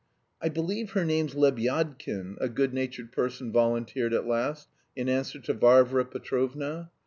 "I believe her name's Lebyadkin," a good natured person volunteered at last in answer to Varvara Petrovna.